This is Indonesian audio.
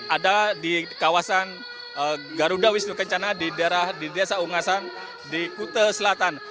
ada di kawasan garuda wisnu kencana di desa ungasan di kute selatan